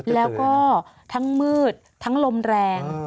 แล้วก็ทั้งมืดทั้งลมแรง